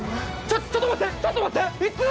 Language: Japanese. ちょっと待って！